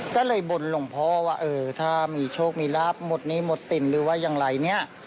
ก็เลยบ่นหลวงพ่อว่าเออถ้ามีโชคมีลาบหมดหนี้หมดสินหรือว่าอย่างไรเนี่ย